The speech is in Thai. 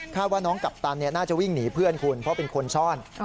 ว่าน้องกัปตันน่าจะวิ่งหนีเพื่อนคุณเพราะเป็นคนซ่อน